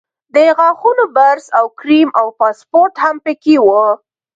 د غاښونو برس او کریم او پاسپورټ هم په کې وو.